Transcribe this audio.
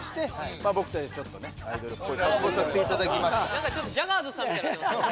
なんかちょっとジャガーズさんみたいになってますよ。